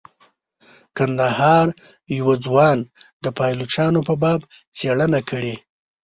کندهار یوه ځوان د پایلوچانو په باب څیړنه کړې.